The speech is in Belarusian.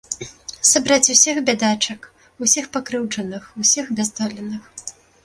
Сабраць усіх бядачак, усіх пакрыўджаных, усіх бяздольных.